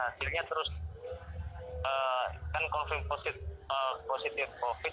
hasilnya terus kan confirm positif covid sembilan belas